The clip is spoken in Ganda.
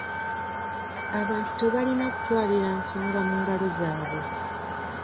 Abantu tebalina kutwalira nsonga mu ngalo zaabwe.